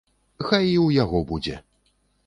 Хай і ў яго будзе!